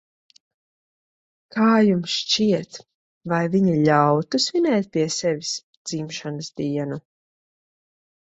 Kā jums šķiet, vai viņa ļautu svinēt pie sevis dzimšanas dienu?